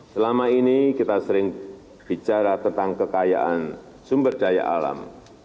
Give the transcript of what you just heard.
selama ini kita sering bicara tentang kekayaan sumber daya alam